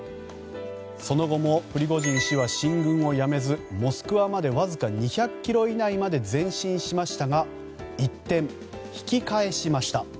その後もプリゴジン氏は進軍を辞めずモスクワまでわずか２００ｋｍ以内まで前進しましたが一転、引き返しました。